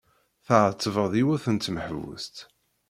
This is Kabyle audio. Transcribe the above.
Tɛettbed yiwet n tmeḥbust.